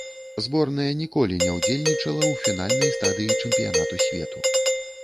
Зборная ніколі не ўдзельнічала ў фінальнай стадыі чэмпіянату свету.